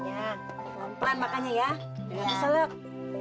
ini makanannya pelan pelan makanannya ya jangan seluk